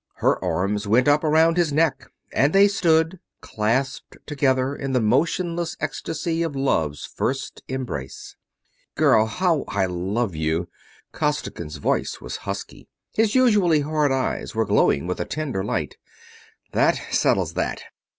Her arms went up around his neck and they stood, clasped together in the motionless ecstasy of love's first embrace. "Girl, girl, how I love you!" Costigan's voice was husky, his usually hard eyes were glowing with a tender light. "That settles that.